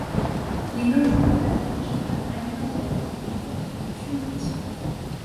Les nombreux villages de pêcheurs alimentent la ville d'une forte production de poissons.